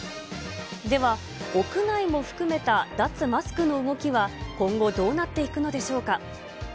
では、屋内も含めた脱マスクの動きは今後、どうなっていくのでしょうか。